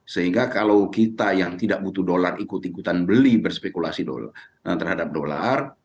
sehingga kalau kita yang tidak butuh dolar ikut ikutan beli berspekulasi terhadap dolar